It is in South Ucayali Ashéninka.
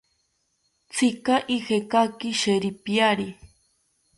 ¿Tzika ijekaki sheripiari?